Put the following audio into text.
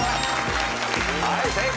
はい正解。